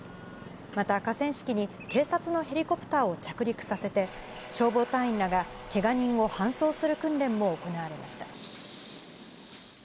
また河川敷に警察のヘリコプターを着陸させて、消防隊員らがけが人を搬送する訓練も行われました。